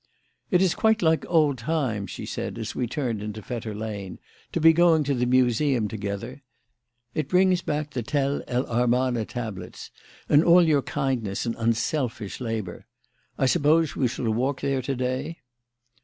"It is quite like old times," she said, as we turned into Fetter Lane, "to be going to the Museum together. It brings back the Tell el Amarna tablets and all your kindness and unselfish labour. I suppose we shall walk there to day?"